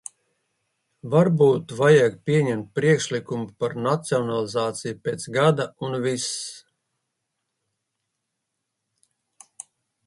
Varbūt vajag pieņemt priekšlikumu par nacionalizāciju pēc gada, un viss!